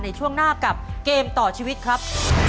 ในช่วงหน้ากับเกมต่อชีวิตครับ